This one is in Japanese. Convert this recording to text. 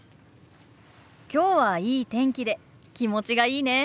今日はいい天気で気持ちがいいね！